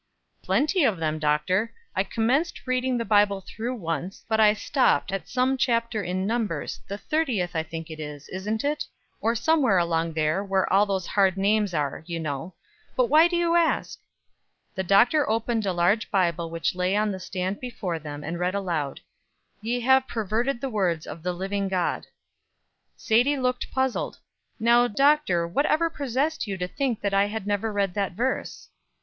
"Plenty of them, Doctor. I commenced reading the Bible through once; but I stopped at some chapter in Numbers the thirtieth, I think it is, isn't it? or somewhere along there where all those hard names are, you know. But why do you ask?" The doctor opened a large Bible which lay on the stand before them, and read aloud: "Ye have perverted the words of the living God." Sadie looked puzzled. "Now, Doctor, what ever possessed you to think that I had never read that verse?"